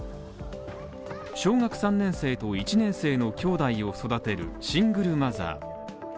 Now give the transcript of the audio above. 小学３年生と１年生の兄弟を育てるシングルマザー。